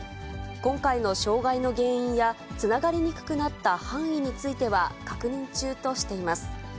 今回の障害の原因やつながりにくくなった範囲については、確認中としています。